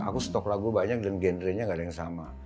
aku stok lagu banyak dan genre nya gak ada yang sama